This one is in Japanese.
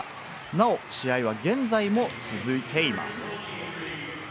なお、試合は現在も続いています。